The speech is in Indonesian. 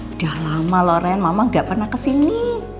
udah lama loh ren mama nggak pernah kesini